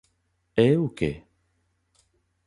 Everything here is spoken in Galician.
E eu que?